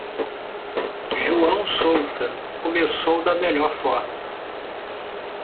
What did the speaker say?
João Sousa começou da melhor forma.